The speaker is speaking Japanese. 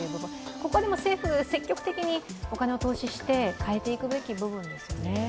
ここは政府、積極的にお金を投資して変えていく部分ですよね